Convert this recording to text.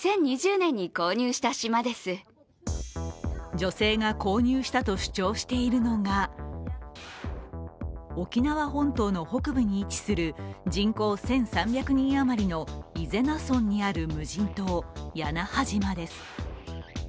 女性が購入したと主張しているのが沖縄本島の北部に位置する人口１３００人余りの伊是名村にある無人島屋那覇島です。